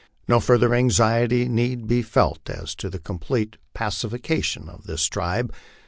No further anxiety need be felt as to the com plete pacification of this tribe.